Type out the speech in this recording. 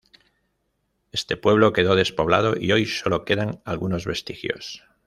Este pueblo quedó despoblado y hoy sólo quedan algunos vestigios.